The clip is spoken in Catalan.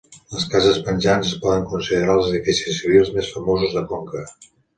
Les cases penjants es poden considerar els edificis civils més famosos de Conca.